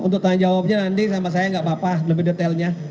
untuk tanya jawabnya nanti sama saya nggak apa apa lebih detailnya